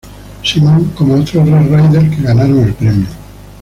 Symons como otros Red Raiders que ganaron el premio.